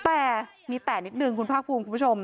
แต่มีแต่นิดนึงคุณภาคภูมิคุณผู้ชม